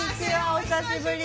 お久しぶり。